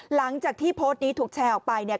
หลังจากที่โพสต์นี้ถูกแชร์ออกไปเนี่ย